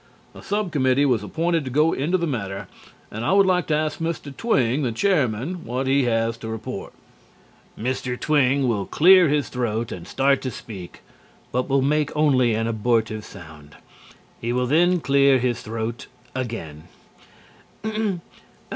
A sub committee was appointed to go into the matter, and I would like to ask Mr. Twing, the chairman, what he has to report." Mr. Twing will clear his throat and start to speak, but will make only an abortive sound. He will then clear his throat again.